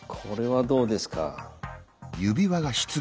これはどうですか？